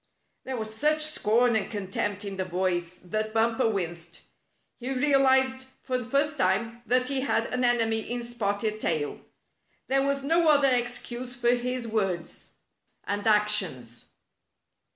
There was such scorn and contempt in the voice that Bumper winced. He realized for the first time that he had an enemy in Spotted Tail. There was no other excuse for his words and ac tions.